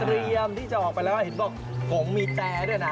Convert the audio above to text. เรียมกงมีแจด้วยนะ